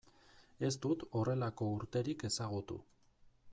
Ez dut horrelako urterik ezagutu.